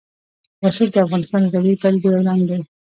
رسوب د افغانستان د طبیعي پدیدو یو رنګ دی.